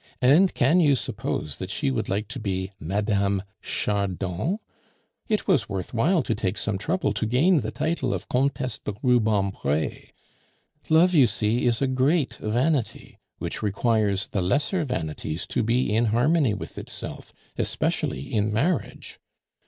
And can you suppose that she would like to be Madame Chardon? It was worth while to take some trouble to gain the title of Comtesse de Rubempre. Love, you see, is a great vanity, which requires the lesser vanities to be in harmony with itself especially in marriage.